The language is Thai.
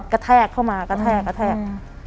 แทกเข้ามากระแทกกระแทก